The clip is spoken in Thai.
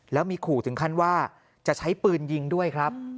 แล้วมีขู่ถึงขั้นว่าจะใช้ปืนยิงด้วยครับ